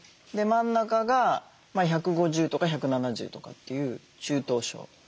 真ん中が１５０とか１７０とかっていう中等症。